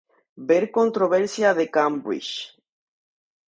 Ver Controversia de Cambridge.